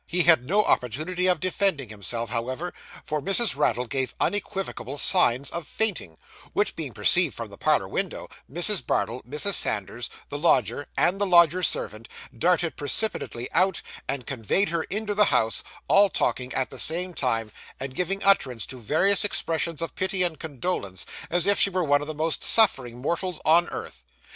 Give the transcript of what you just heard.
He had no opportunity of defending himself, however, for Mrs. Raddle gave unequivocal signs of fainting; which, being perceived from the parlour window, Mrs. Bardell, Mrs. Sanders, the lodger, and the lodger's servant, darted precipitately out, and conveyed her into the house, all talking at the same time, and giving utterance to various expressions of pity and condolence, as if she were one of the most suffering mortals on earth.